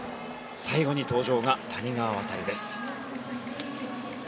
最後に登場が谷川航です。